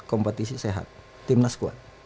kompetisi sehat timnas kuat